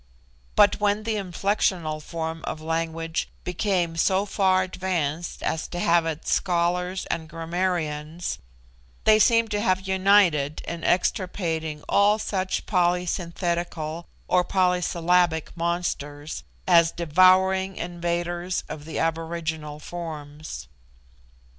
But when the inflectional form of language became so far advanced as to have its scholars and grammarians, they seem to have united in extirpating all such polysynthetical or polysyllabic monsters, as devouring invaders of the aboriginal forms.